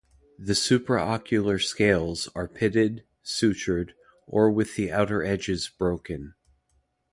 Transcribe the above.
The supraocular scales are pitted, sutured, or with the outer edges broken.